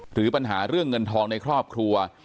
หรือปัญหาเรื่องเงินทองในครอบครัว